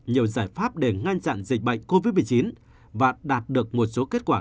nhiều giải pháp để ngăn chặn dịch bệnh covid một mươi chín và đạt được một số kết quả